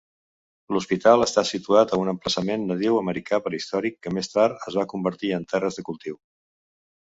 L"hospital està situat a un emplaçament nadiu americà prehistòric que més tard es va convertir en terres de cultiu.